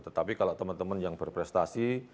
tetapi kalau teman teman yang berprestasi